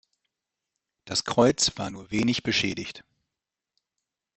Das Kreuz war nur wenig beschädigt.